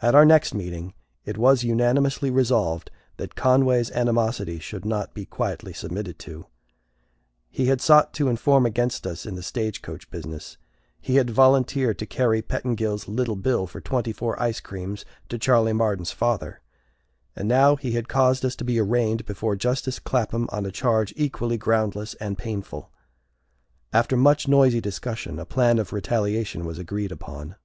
At our next meeting it was unanimously resolved that Conway's animosity should not be quietly submitted to. He had sought to inform against us in the stagecoach business; he had volunteered to carry Pettingil's "little bill" for twenty four icecreams to Charley Marden's father; and now he had caused us to be arraigned before justice Clapham on a charge equally groundless and painful. After much noisy discussion, a plan of retaliation was agreed upon.